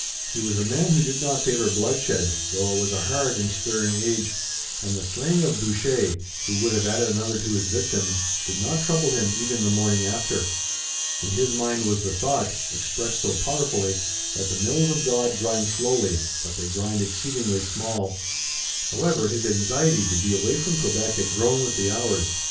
He was a man who did not favor bloodshed, though it was a hard and stern age, and the slaying of Boucher, who would have added another to his victims, did not trouble him even the morning after. In his mind was the thought, expressed so powerfully, that the mills of God grind slowly, but they grind exceeding small. However, his anxiety to be away from Quebec had grown with the hours.